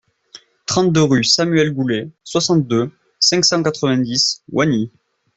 trente-deux rue Samuel Goulet, soixante-deux, cinq cent quatre-vingt-dix, Oignies